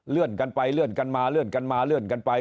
กันไปเลื่อนกันมาเลื่อนกันมาเลื่อนกันไป